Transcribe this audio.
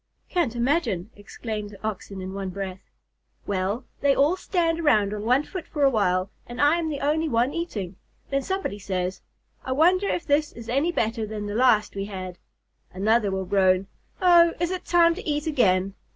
"Can't imagine," exclaimed the Oxen in one breath. "Well, they all stand around on one foot for a while, and I am the only one eating. Then somebody says, 'I wonder if this is any better than the last we had.' Another will groan, 'Oh, is it time to eat again?'